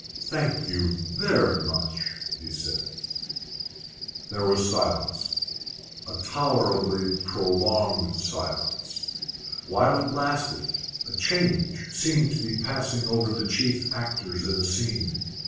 "Thank you very much," he said. There was silence again a tolerably prolonged silence. While it lasted, a change seemed to be passing over the chief actors in the scene.